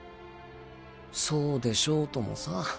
そうでしょうともサ。